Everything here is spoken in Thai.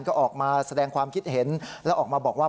ก็ออกมาแสดงความคิดเห็นแล้วออกมาบอกว่า